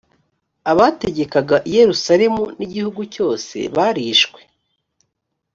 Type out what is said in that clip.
abategekaga i yerusalemu nigihugu cyose barishwe